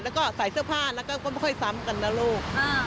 แล้วก็ใส่เสื้อผ้าแล้วก็ไม่ค่อยซ้ำกันนะลูก